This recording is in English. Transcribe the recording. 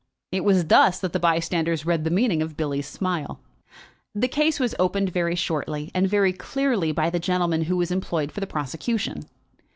It was thus that the bystanders read the meaning of Billy's smile. The case was opened very shortly and very clearly by the gentleman who was employed for the prosecution.